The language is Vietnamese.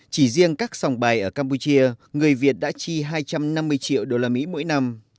chỉ riêng các sòng bài ở campuchia người việt đã chi hai trăm năm mươi triệu đô la mỹ mỗi năm